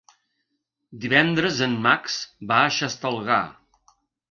Divendres en Max va a Xestalgar.